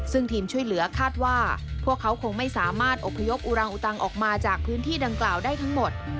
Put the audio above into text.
ซึ่งทีมช่วยเหลือคาดว่าพวกเขาคงไม่สามารถอบพยพอุรังอุตังออกมาจากพื้นที่ดังกล่าวได้ทั้งหมด